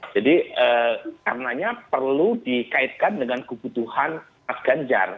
jadi karenanya perlu dikaitkan dengan kebutuhan mas ganjar